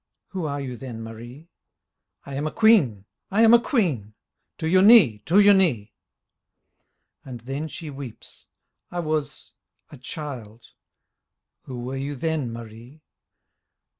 Who are you then, Marie? I am a Queen, I am a Queen ! To your knee, to your knee ! And then she weeps : I was — a child — Who were you then, Marie?